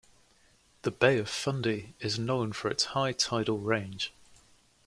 The Bay of Fundy is known for its high tidal range.